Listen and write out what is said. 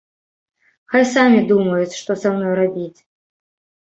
Хай самі думаюць, што са мной рабіць.